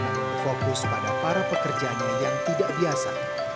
yang fokus pada para pekerjanya yang tidak biasa